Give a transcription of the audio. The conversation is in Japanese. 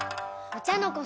お茶の子